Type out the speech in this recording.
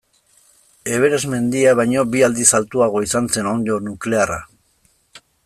Everest mendia baino bi aldiz altuagoa izan zen onddo nuklearra.